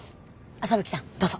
麻吹さんどうぞ。